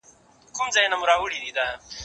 زه بايد کتاب وليکم!؟!؟